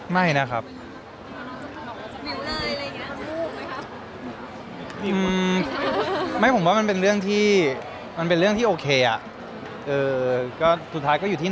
มันก็คืออยู่ที่น้องเลือกน้องเลือกต้องจัดการเนี่ย